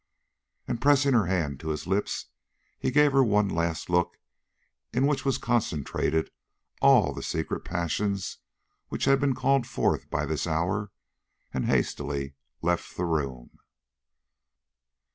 And, pressing her hand to his lips, he gave her one last look in which was concentrated all the secret passions which had been called forth by this hour, and hastily left the room.